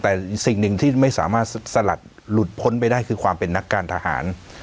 แต่สิ่งหนึ่งที่ไม่สามารถสลัดหลุดพ้นไปได้คือความเป็นนักการทหาร